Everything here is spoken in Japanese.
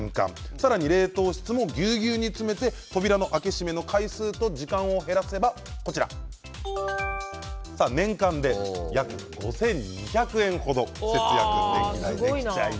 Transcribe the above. さらに冷凍室もぎゅうぎゅうに詰めて扉の開け閉めの回数と時間を減らせば年間で約５２００円程節約できると。